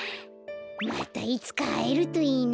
またいつかはえるといいな。